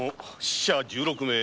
死者１６名